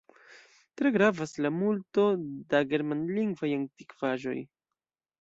Tre gravas la multo da germanlingvaj antikvaĵoj.